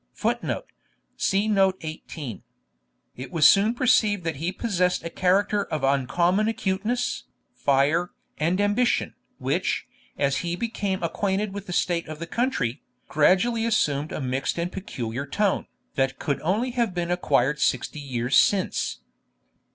[Footnote: See Note 18.] It was soon perceived that he possessed a character of uncommon acuteness, fire, and ambition, which, as he became acquainted with the state of the country, gradually assumed a mixed and peculiar tone, that could only have been acquired Sixty Years Since.